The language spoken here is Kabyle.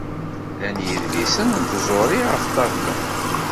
Llan yidlisen n tẓuri ɣef ṭṭabla.